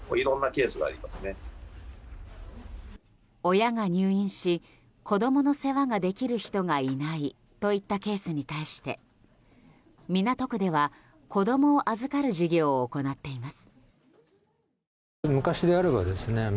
親が入院し子供の世話ができる人がいないといったケースに対して港区では子供を預かる事業を行っています。